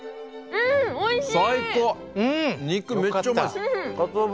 うんおいしい！